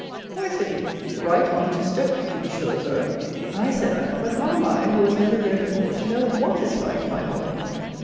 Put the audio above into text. "Why," said he, "right on to Stoke, to be sure, Zur." "Aye," said I, "but how am I, who was never here before, to know what is right, my boy?"